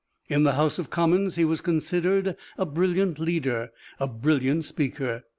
In the House of Commons he was considered a brilliant leader, a brilliant speaker.